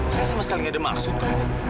saya sama sekali tidak ada maksud kawan